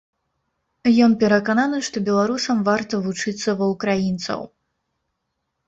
Ён перакананы, што беларусам варта вучыцца ва ўкраінцаў.